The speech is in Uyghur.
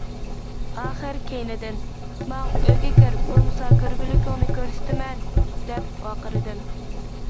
ئاخىر كەينىدىن:« ماڭ، ئۆيگە كىر، بولمىسا كۆرگۈلۈكۈڭنى كۆرسىتىمەن!» دەپ ۋارقىرىدىم.